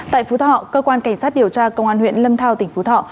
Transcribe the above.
tại phú thọ cơ quan cảnh sát điều tra công an huyện lâm thao tỉnh phú thọ